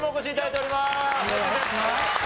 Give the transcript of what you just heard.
お願いします。